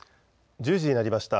１０時になりました。